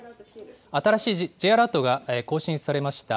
新しいＪアラートが更新されました。